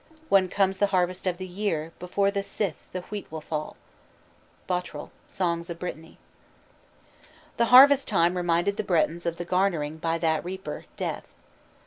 "When comes the harvest of the year Before the scythe the wheat will fall." BOTREL: Songs of Brittany. The harvest time reminded the Bretons of the garnering by that reaper, Death.